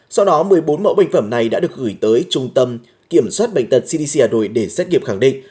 sau đó một mươi bốn mẫu bệnh phẩm này đã được gửi tới trung tâm kiểm soát bệnh tật cdc hà nội để xét nghiệm khẳng định